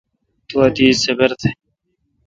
تو اتیش صبر تہ۔